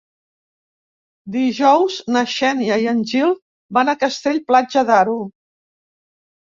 Dijous na Xènia i en Gil van a Castell-Platja d'Aro.